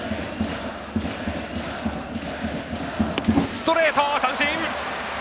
ストレート、三振！